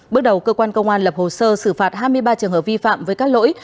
bước đầu cơ quan công an lập hồ sơ xử phạt hai mươi ba trường hợp vi phạm với các lỗi